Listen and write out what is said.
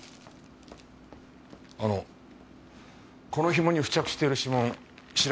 あのこの紐に付着している指紋調べられますか？